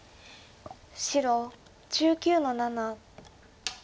白１９の七。